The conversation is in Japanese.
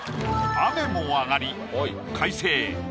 雨も上がり快晴